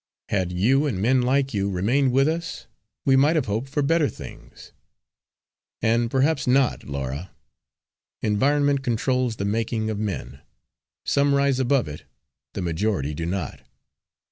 Had you, and men like you, remained with us, we might have hoped for better things." "And perhaps not, Laura. Environment controls the making of men. Some rise above it, the majority do not.